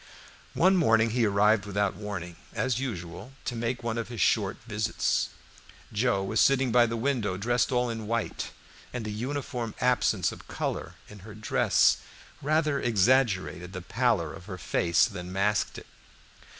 One morning he arrived without warning, as usual, to make one of his short visits. Joe was sitting by the window dressed all in white, and the uniform absence of color in her dress rather exaggerated the pallor of her face than masked it.